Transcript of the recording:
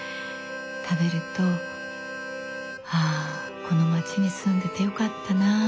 食べるとあこの町に住んでてよかったなぁってね。